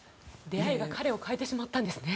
出会いが彼を変えてしまったんですね。